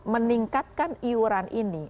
meningkatkan iuran ini